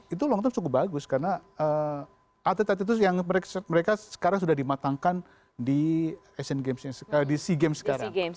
itu long term cukup bagus karena atlet atlet itu yang mereka sekarang sudah dimatangkan di sea games sekarang